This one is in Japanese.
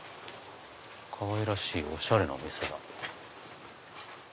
かわいらしいおしゃれなお店だ。